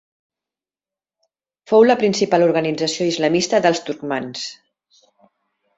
Fou la principal organització islamista dels turcmans.